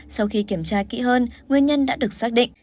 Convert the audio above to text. sau khi kiểm tra kỹ hơn nguyên nhân đã được xác định